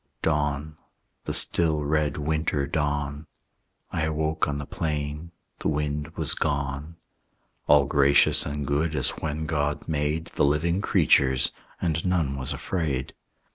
Dawn, the still red winter dawn; I awoke on the plain; the wind was gone; All gracious and good as when God made The living creatures, and none was afraid.